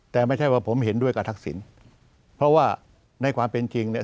แต่ไม่ใช่ว่าผมเห็นด้วยกับทักษิณเพราะว่าในความเป็นจริงเนี่ย